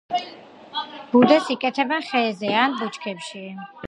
ბუდეს იკეთებენ ხეზე ან ბუჩქებში.